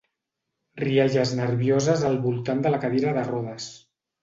Rialles nervioses al voltant de la cadira de rodes.